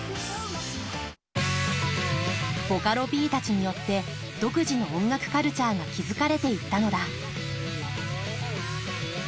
ボカロＰたちによって独自の音楽カルチャーが築かれていったのだ。